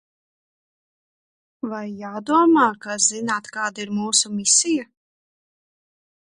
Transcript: Vai jādomā, ka zināt, kāda ir mūsu misija?